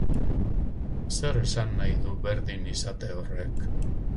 Zer esan nahi du berdin izate horrek?